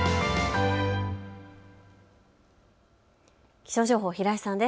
気象情報、平井さんです。